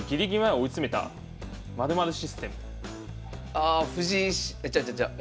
ああ藤井シえちゃうちゃうちゃう。